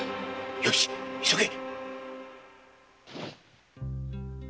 よし急げ！